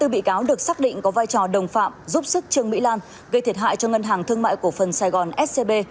hai mươi bị cáo được xác định có vai trò đồng phạm giúp sức trương mỹ lan gây thiệt hại cho ngân hàng thương mại cổ phần sài gòn scb